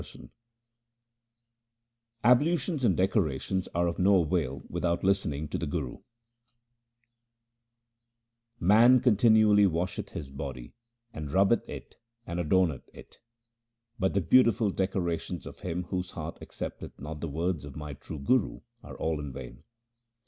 Z 2 340 THE SIKH RELIGION Ablutions and decorations are of no avail without listening to the Guru :— Man continually washeth his body, and rubbeth it and adorneth it ; But the beautiful decorations of him whose heart accepteth not the words of my true Guru are all in vain.